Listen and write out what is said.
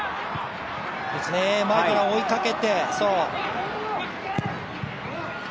前から追いかけて。